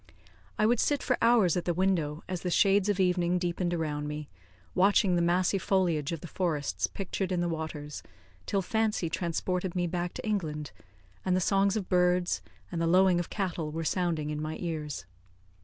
I would sit for hours at the window as the shades of evening deepened round me, watching the massy foliage of the forests pictured in the waters, till fancy transported me back to England, and the songs of birds and the lowing of cattle were sounding in my ears.